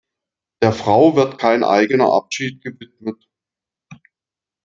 Der Frau wird kein eigener Abschied gewidmet.